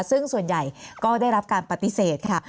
ซึ่งส่วนใหญ่ก็ได้รับการปฏิเสธค่ะ